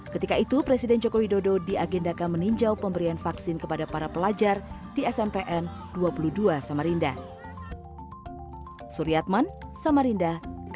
ketika itu presiden joko widodo diagendakan meninjau pemberian vaksin kepada para pelajar di smpn dua puluh dua samarinda